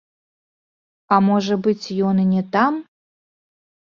А можа быць, ён і не там?